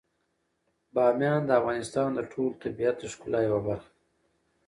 بامیان د افغانستان د ټول طبیعت د ښکلا یوه برخه ده.